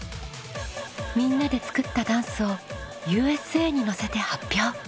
みんなで作ったダンスを「Ｕ．Ｓ．Ａ．」にのせて発表！